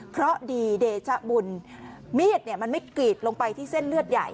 เพราะดีเดชะบุญมีดมันไม่กรีดลงไปที่เส้นเลือดใหญ่